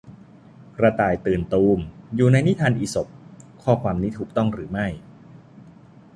กระต่ายตื่นตูม อยู่ในนิทานอีสป ข้อความนี้ถูกต้องหรือไม่